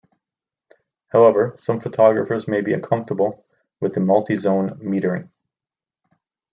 However, some photographers may be uncomfortable with multi-zone metering.